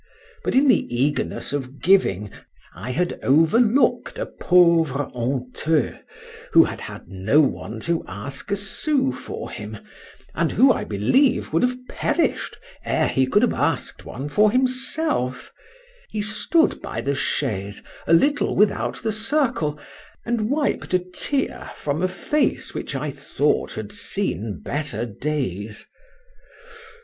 But in the eagerness of giving, I had overlooked a pauvre honteux, who had had no one to ask a sous for him, and who, I believe, would have perished, ere he could have ask'd one for himself: he stood by the chaise a little without the circle, and wiped a tear from a face which I thought had seen better days.